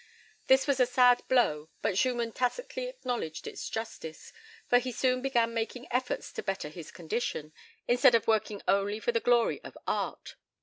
This was a sad blow, but Schumann tacitly acknowledged its justice, for he soon began making efforts to better his condition, instead of working only for the glory of art.